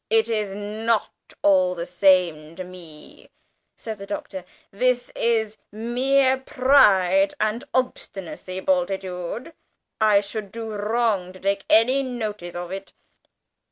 "It is not all the same to me," said the Doctor. "This is mere pride and obstinacy, Bultitude; I should do wrong to take any notice of it."